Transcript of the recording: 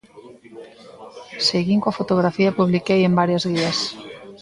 Seguín coa fotografía e publiquei en varias guías.